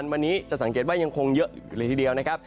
วันนี้จะสังเกตว่ายังคงเยอะอยู่เลยทีเดียวนะครับ